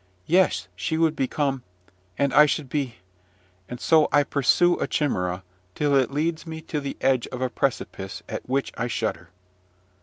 Yes, she would become and I should be" and so I pursue a chimera, till it leads me to the edge of a precipice at which I shudder.